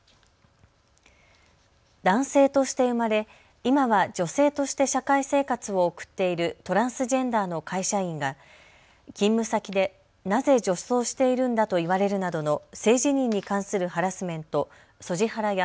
男性として生まれ今は女性として社会生活を送っているトランスジェンダーの会社員が、勤務先でなぜ女装しているんだと言われるなどの性自認に関するハラスメント、ＳＯＧＩ